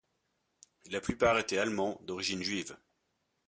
La plupart étaient allemands d'origine juive.